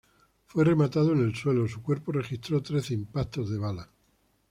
Fue rematado en el suelo, su cuerpo registró trece impactos de bala.